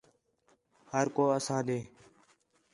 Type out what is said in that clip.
ہر کو اَساں ݙے